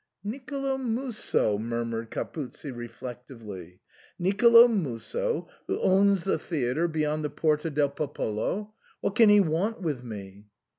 " Nicolo Musso," murmured Capuzzi reflectively ;Nicolo Musso, who owns the theatre beyond the 132 SIGNOR FORMICA. Porta del Popolo ; what can he want with me